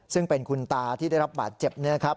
ซึ่งเป็นคุณตาที่ได้รับบาดเจ็บนะครับ